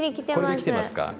これできてますか？